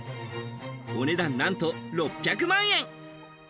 お値段なんと６００万円。